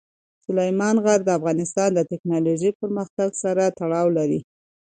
سلیمان غر د افغانستان د تکنالوژۍ پرمختګ سره تړاو لري.